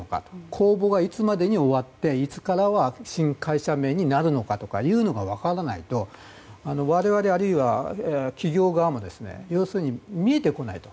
公募がいつまでに終わっていつから新会社名になるのかが分からないと我々、あるいは企業側も要するに見えてこないと。